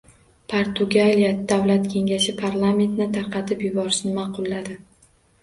Portugaliya davlat kengashi parlamentni tarqatib yuborishni ma’qulladi